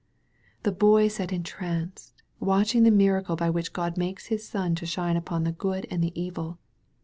The Boy sat entranced, watching the miracle by which Grod makes His sun to shine upon the good and the evil.